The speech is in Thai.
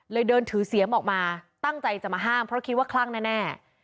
เดินถือเสียงออกมาตั้งใจจะมาห้ามเพราะคิดว่าคลั่งแน่